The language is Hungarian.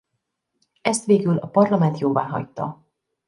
Ezt végül a parlament jóváhagyta.